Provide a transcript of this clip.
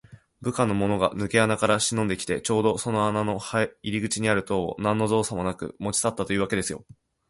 部下のものがぬけ穴からしのんできて、ちょうどその穴の入り口にある塔を、なんのぞうさもなく持ちさったというわけですよ。